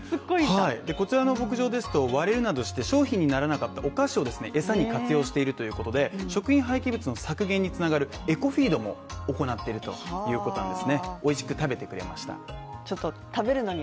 こちらの牧場ですと、割れるなどして商品にならなかったお菓子を餌に活用しているということで食品廃棄物の削減に繋がるエコフィードも行ってるということです